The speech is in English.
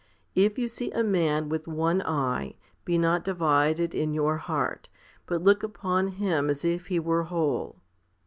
If you see a man with one eye, be not divided in your heart, but look upon him as if he were whole.